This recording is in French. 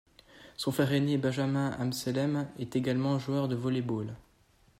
Son frère aîné Benjamin Amsellem est également joueur de volley-ball.